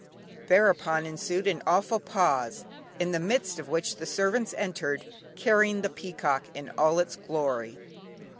Thereupon ensued an awful pause, in the midst of which the servants entered, carrying the peacock in all its glory.